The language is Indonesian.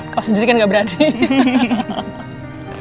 kalau sendiri kan gak berani